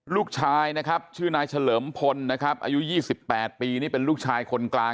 ลูกชายนะครับชื่อนายเฉลิมพลนะครับอายุ๒๘ปีนี่เป็นลูกชายคนกลาง